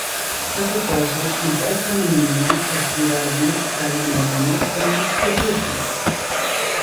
Κάθε τόσο μας έφθανε μήνυμα, πως γυρεύουν τα λημέρια μας για να μας χτυπήσουν